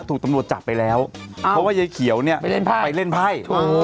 ถูกตำลวดจับไปแล้วเพราะว่ายายเขียวเนี้ยไปเล่นไพ่ไปเล่นไพ่